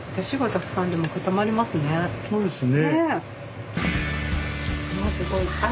そうですね。